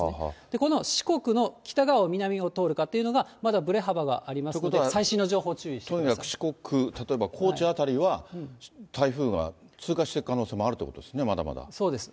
この四国の北側、南を通るかというのがまだぶれ幅がありますので、とにかく四国、例えば高知辺りは台風が通過していく可能性もあるということですそうです。